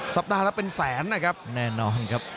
สัปดาห์ละเป็นแสนนะครับแน่นอนครับ